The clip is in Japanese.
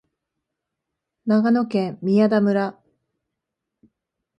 長野県宮田村